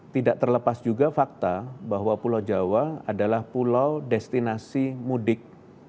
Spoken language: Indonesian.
tidak terlepas juga fakta bahwa pulau jawa adalah pulau destinasi mudik